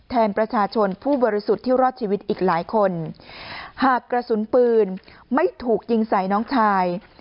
แทนประชาชนผู้บริสุทธิ์ที่รอดชีวิตอีกหลายคนหากกระสุนปืนไม่ถูกยิงใส่น้องชาย